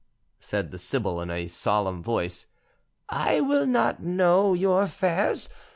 said the sibyl, in a solemn voice. "I will not know your affairs.